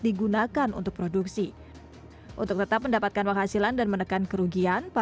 digunakan untuk produksi untuk tetap mendapatkan penghasilan dan menekan kerugian